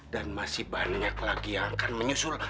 dan masih banyak lagi yang akan menyusul